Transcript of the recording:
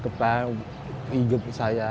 mencoba untuk menghadirkan saya